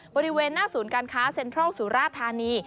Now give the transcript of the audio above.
บริเวณหน้าศูนย์การค้าเซ็นทรัลสุราธานี